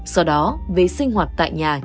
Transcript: sau đó về sinh hoạt tại nhà